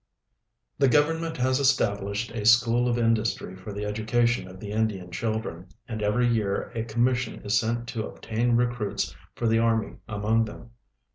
The government has estaldished a school of industry for the education of the Indian children, and every year a commission is sent to obtain recruits for the army among tliem.